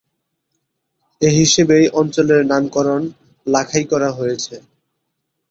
এ হিসেবেই অঞ্চলের নামকরণ লাখাই করা হয়েছে।